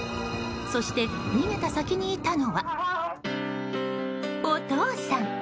そして逃げた先にいたのはお父さん。